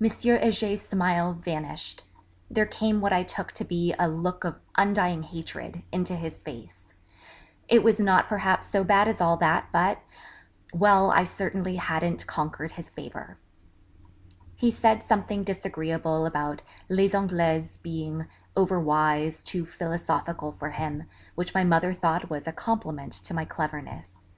M. Heger's smiles vanished; there came what I took to be a 'look of undying hatred' into his face it was not perhaps so bad as all that, but ... well, I certainly hadn't conquered his favour. He said something disagreeable about Les Anglaises being over wise, too philosophical for him, which my mother thought was a compliment to my cleverness.